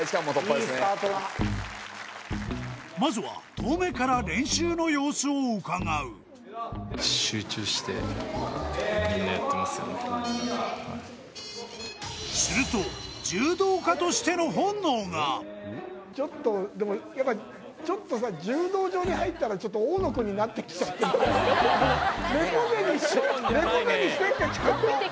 まずは遠目から練習の様子をうかがうするとちょっとでもやっぱりちょっとさなってきちゃってる